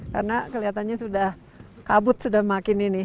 karena kelihatannya sudah kabut sudah makin ini